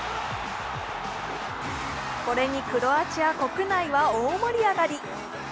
これにクロアチア国内は大盛り上がり。